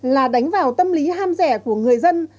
là đánh vào tâm lý ham rẻ của người dân